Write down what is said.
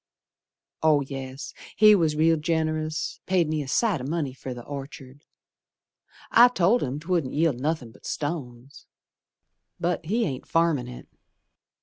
Oh, yes, he was real generous, Paid me a sight o' money fer the Orchard; I told him 'twouldn't yield nothin' but stones, But he ain't farmin' it.